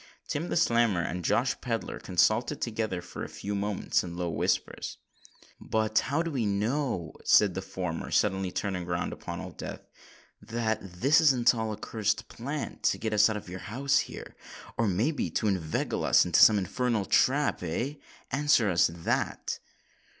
Tim the Snammer and Josh Pedler consulted together for a few moments in low whispers. "But how do we know," said the former, suddenly turning round upon Old Death, "that this isn't all a cursed plant to get us out of the house here—or may be to inveigle us into some infernal trap—eh? Answer us that."